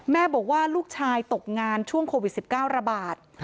แม่บอกว่าลูกชายตกงานช่วงโควิด๑๙ระบาด